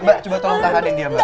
mbak coba tolong tahanin dia mbak